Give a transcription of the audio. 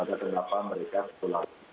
agar kenapa mereka telah